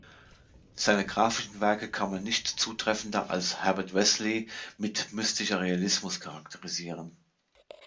Seine graphischen Werke kann man nicht zutreffender als Herbert Wessely mit "Mystischer Realismus" charakterisieren.